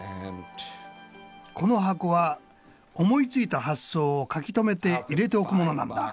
この箱は思いついた発想を書き留めて入れておくものなんだ。